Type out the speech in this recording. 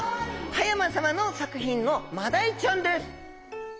葉山さまの作品のマダイちゃんです。